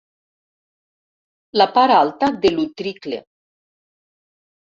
La part alta de l'utricle.